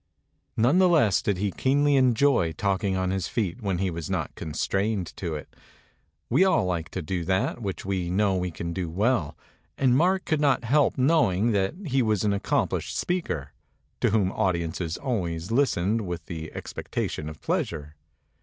None the less did he keenly enjoy talking on his feet when he was not con trained to it. We all like to do that which we know we can do well; and Mark could not help knowing that he was an accom plished speaker, to whom audiences always lis tened with the expectation of pleasure.